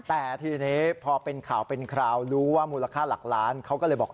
แต่ทีนี้พอเป็นข่าวเป็นคราวรู้ว่ามูลค่าหลักล้านเขาก็เลยบอก